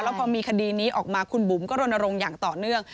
พอมีคดีนี้ออกมาคุณบุ๋มก็รณรงค์อย่างต่อเนื่อง